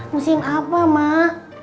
musim apa mak